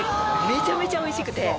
めちゃめちゃ美味しくて。